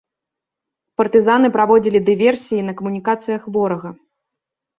Партызаны праводзілі дыверсіі на камунікацыях ворага.